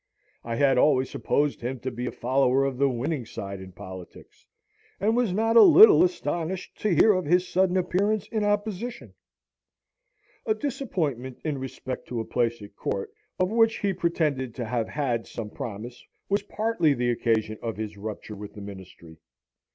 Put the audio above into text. I had always supposed him to be a follower of the winning side in politics, and was not a little astonished to hear of his sudden appearance in opposition. A disappointment in respect to a place at court, of which he pretended to have had some promise, was partly the occasion of his rupture with the Ministry.